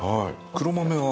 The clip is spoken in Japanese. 黒豆は。